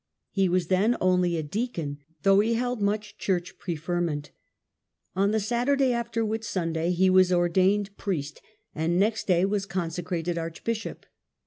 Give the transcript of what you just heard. He was then only a deacon, though he held much church preferment On the Saturday after Whitsunday he was ordained priest, and next day was consecrated archbishop.